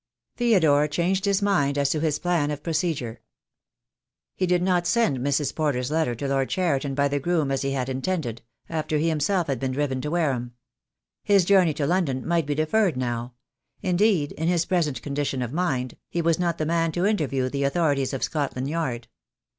Theodore changed his mind as to his plan of pro cedure. He did not send Mrs. Porter's letter to Lord Cheriton by the groom as he had intended, after he him self had been driven to Wareham. His journey to Lon don might be deferred now; indeed, in his present con dition of mind, he was not the man to interview the authorities of Scotland Yard.